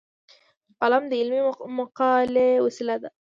قلم د علمي مقالې وسیله ده